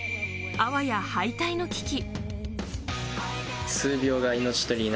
あわや敗退の危機。